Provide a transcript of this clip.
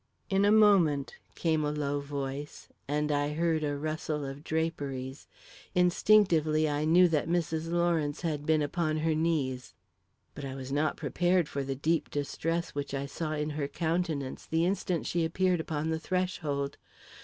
"In a moment," called a low voice, and I heard a rustle of draperies. Instinctively I knew that Mrs. Lawrence had been upon her knees. But I was not prepared for the deep distress which I saw in her countenance the instant she appeared upon the threshold.